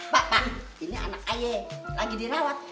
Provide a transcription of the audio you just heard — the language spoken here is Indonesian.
pak pak ini anak ayek lagi dirawat